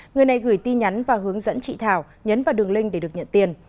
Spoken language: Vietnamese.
người này gửi tin nhắn và hướng dẫn chị thảo nhấn vào đường link để được nhận tiền